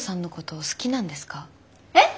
えっ！？